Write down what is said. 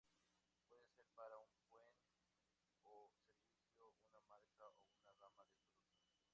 Puede ser para un bien o servicio, una marca o una gama de producto.